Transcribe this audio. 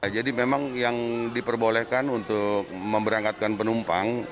jadi memang yang diperbolehkan untuk memberangkatkan penumpang